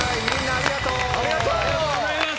ありがとうございます！